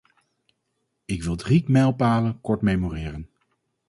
Ik wil drie mijlpalen kort memoreren.